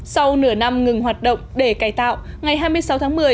sau nửa năm ngừng hoạt động để cài tạo ngày hai mươi sáu tháng một mươi